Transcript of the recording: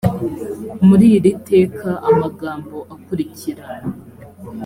muri iri teka amagambo akurikira